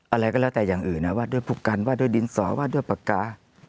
อะไรก็แล้วแต่อย่างอื่นนะวาดด้วยผูกกันวาดด้วยดินสอวาดด้วยปากกา